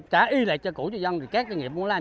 trả y lại cho cổ